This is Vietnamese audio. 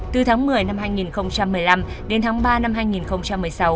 từ tháng một mươi năm hai nghìn một mươi năm đến tháng ba năm hai nghìn một mươi sáu